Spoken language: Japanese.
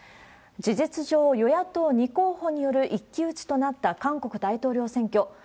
事実上、与野党２候補による一騎打ちとなった韓国大統領選挙。